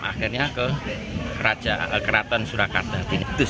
akhirnya ke keraton surakarta